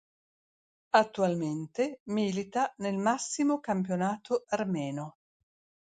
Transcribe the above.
Attualmente milita nel massimo campionato armeno.